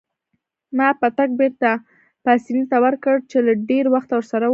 ما پتک بیرته پاسیني ته ورکړ چې له ډیر وخته ورسره وو.